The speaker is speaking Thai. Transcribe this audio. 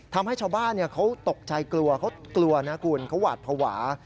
ทำให้ชาวบ้านเขาตกใจกลัวทุกคนเค้าหวาดภาวะ